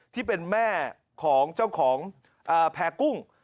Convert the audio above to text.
ที่เป็นแม่ของเจ้าของแพร่กุ้ง